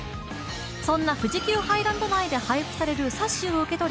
そんな富士急ハイランド内で配布される冊子を受け取り